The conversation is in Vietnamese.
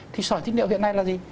thì sỏi thiết niệm hiện nay là gì